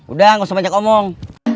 udah gak usah banyak omong